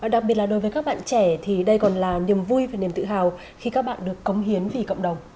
đặc biệt là đối với các bạn trẻ thì đây còn là niềm vui và niềm tự hào khi các bạn được cống hiến vì cộng đồng